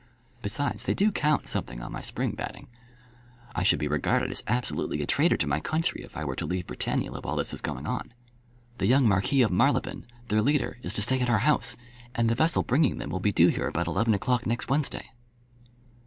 Besides, they do count something on my spring batting. I should be regarded as absolutely a traitor to my country if I were to leave Britannula while this is going on. The young Marquis of Marylebone, their leader, is to stay at our house; and the vessel bringing them will be due here about eleven o'clock next Wednesday."